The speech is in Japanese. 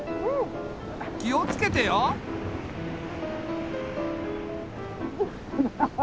気をつけてよ。ハハハ。